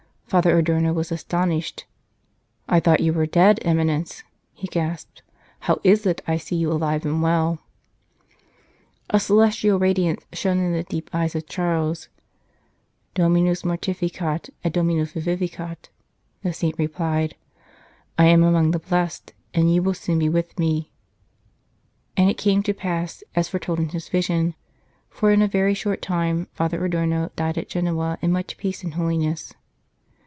Father Adorno was astounded. " I thought you were dead, Eminence," he gasped ;" how is it I see you alive and well ?" A celestial radiance shone in the deep eyes of Charles :" Dominus mortificat et Dominus vivi ficat." The saint replied :" I am among the blessed, and you will soon be with me." And it came to pass as foretold in his vision, for in a very short time Father Adorno died at Genoa in much peace and holiness.